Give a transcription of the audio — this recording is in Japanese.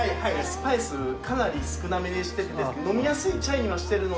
スパイスかなり少なめにしてて飲みやすいチャイにはしてるので。